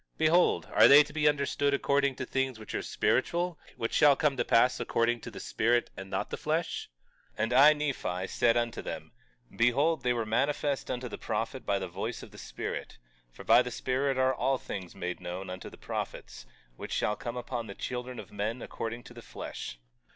Behold, are they to be understood according to things which are spiritual, which shall come to pass according to the spirit and not the flesh? 22:2 And I, Nephi, said unto them: Behold they were manifest unto the prophet by the voice of the Spirit; for by the Spirit are all things made known unto the prophets, which shall come upon the children of men according to the flesh.